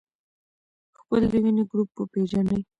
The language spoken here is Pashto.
خپل د وینې ګروپ وپېژنئ.